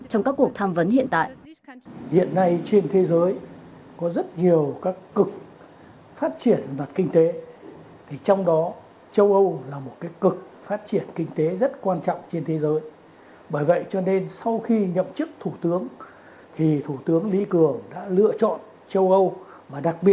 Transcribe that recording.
trong các cuộc tham vấn hiện tại